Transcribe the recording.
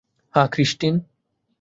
হ্যাঁ, ক্রিস্টিন।